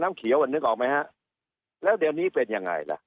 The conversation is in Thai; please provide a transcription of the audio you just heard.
เขียวอ่ะนึกออกไหมฮะแล้วเดี๋ยวนี้เป็นยังไงล่ะ